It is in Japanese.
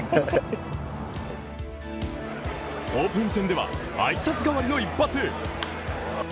オープン戦ではあいさつ代わりの一発。